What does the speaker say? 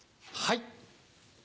はい。